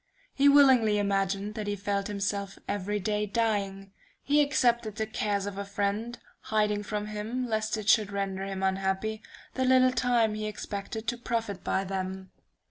He willingly imagined that he felt himself every day dying; he accepted the cares of a friend, hiding from him, lest it should render him unhappy, the little time he expected to profit by them.